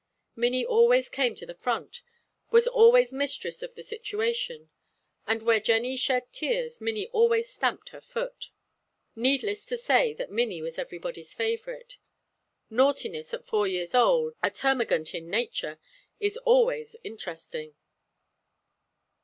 Minnie always came to the front, was always mistress of the situation, and where Jennie shed tears Minnie always stamped her foot. Needless to say that Minnie was everybody's favourite. Naughtiness at four years old, a termagant in miniature, is always interesting.